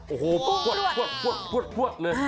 โอ้โหวดเลย